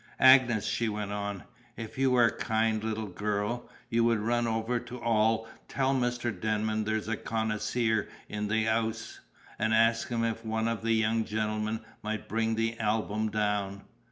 "Agnes," she went on, "if you were a kind little girl, you would run over to the 'All, tell Mr. Denman there's a connaisseer in the 'ouse, and ask him if one of the young gentlemen might bring the album down."